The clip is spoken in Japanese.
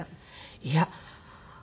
いや。